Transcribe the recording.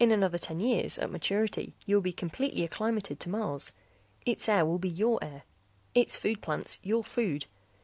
"In another ten years, at maturity, you will be completely acclimated to Mars. Its air will be your air; its food plants your food.